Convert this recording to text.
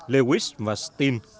lewis và stin